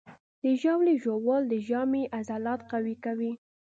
د ژاولې ژوول د ژامې عضلات قوي کوي.